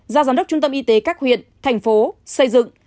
giao giám đốc trung tâm y tế các huyện thành phố xây dựng